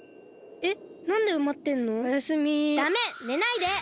えっ！？